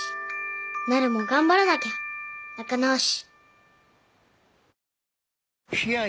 なるも頑張らなきゃ仲直し。